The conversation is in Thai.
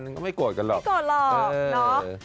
ก็ไม่โกรธกันหรอกเนอะไม่โกรธหรอก